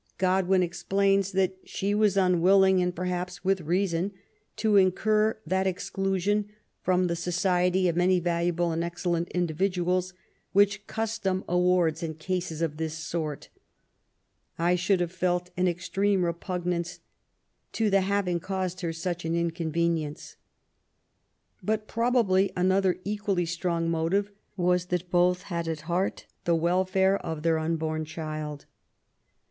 God win explains that she was unwilling, and perhaps with reason, to incur that exclusion from the society of many valuable and excellent individuals, which cus tom awards in cases of this sort. I should have felt an extreme repugnance to the having caused her such an inconvenience.^' But probably another equally strong motive was, that both had at heart the welfare of their unborn child.